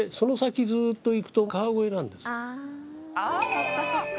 そっかそっか。